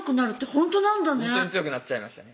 ほんとに強くなっちゃいましたね